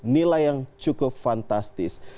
nilai yang cukup fantastis